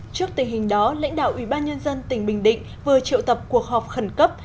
trước tình hình đó lãnh đạo ủy ban nhân dân tỉnh bình định vừa triệu tập cuộc họp khẩn cấp